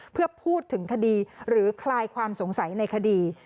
เพื่อพูดถึงคดีหรือคลายความสงสัยในคดี